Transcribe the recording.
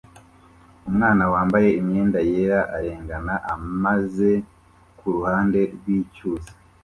Umwana wambaye imyenda yera arengana ameza kuruhande rwicyuzi